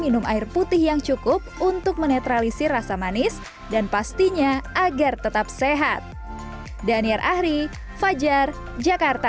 minum air putih yang cukup untuk menetralisi rasa manis dan pastinya agar tetap sehat danir ahri fajar jakarta